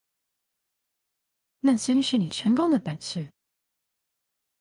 耐心是你成功的本事